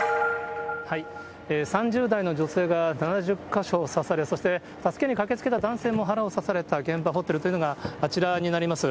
３０代の女性が７０か所を刺され、そして助けに駆けつけた男性も腹を刺された現場ホテルというのが、あちらになります。